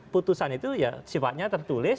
putusan itu ya sifatnya tertulis